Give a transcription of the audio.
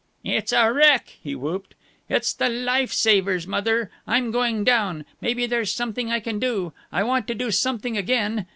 "It's a wreck!" he whooped. "It's the life savers! Mother, I'm going down. Maybe there's something I can do. I want to do something again!